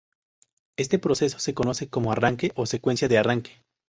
Este proceso se conoce como "arranque" o "secuencia de arranque".